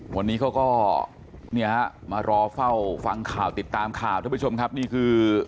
วันนี้เขาก็เนี่ยฮะมารอเฝ้าฟังข่าวติดตามข่าวท่านผู้ชมครับนี่คือ